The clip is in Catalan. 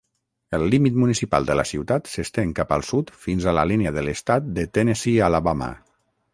El límit municipal de la ciutat s'estén cap al sud fins a la línia d'estat de Tennessee-Alabama.